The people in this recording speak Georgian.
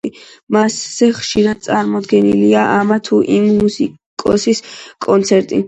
მასზე ხშირად წარმოდგენილია ამა თუ იმ მუსიკოსის კონცერტი.